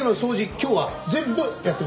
今日は全部やってもらいます。